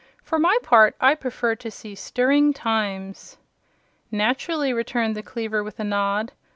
For my part, I prefer to see stirring times." "Naturally," returned the cleaver, with a nod.